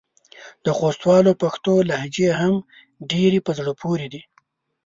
د خوستوالو پښتو لهجې هم ډېرې په زړه پورې دي.